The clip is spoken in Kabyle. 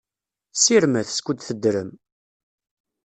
Ssirmet, skud teddrem!